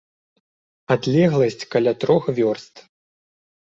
Адлегласць каля трох вёрст.